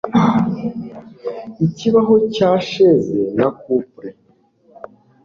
Ikibaho cya chaise na couple